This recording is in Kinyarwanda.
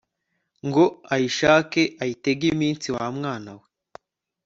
ngo uyishake uyitege iminsi wamwanawe